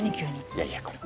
いやいやこれ。